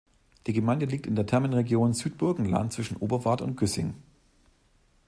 Die Gemeinde liegt in der Thermenregion Südburgenland zwischen Oberwart und Güssing.